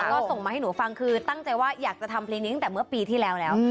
ก็ส่งมาให้หนูฟังคือตั้งใจว่าอยากจะทำเพลงนี้ตั้งแต่เมื่อปีที่แล้วแล้ว